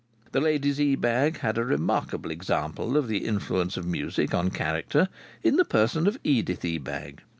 The ladies Ebag had a remarkable example of the influence of music on character in the person of Edith Ebag.